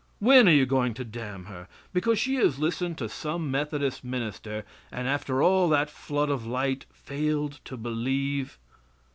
When are you going to damn her? Because she has listened to some Methodist minister and after all that flood of light failed to believe?